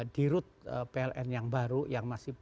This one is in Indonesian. di road pln yang baru yang masih